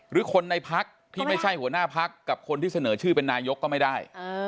หรือคนในพักที่ไม่ใช่หัวหน้าพักกับคนที่เสนอชื่อเป็นนายกก็ไม่ได้